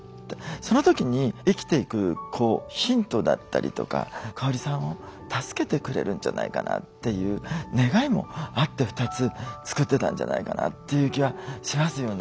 その時に生きていくこうヒントだったりとか香さんを助けてくれるんじゃないかなっていう願いもあって２つ作ってたんじゃないかなっていう気はしますよね。